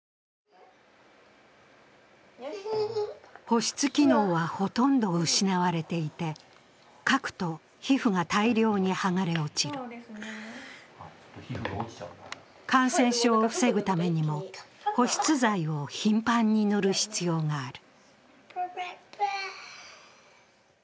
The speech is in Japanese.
保湿機能はほとんど失われていてかくと、皮膚が大量に剥がれ落ちる感染症を防ぐためにも保湿剤を頻繁に塗る必要がある。